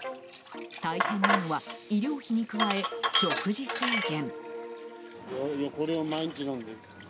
大変なのは医療費に加え食事制限。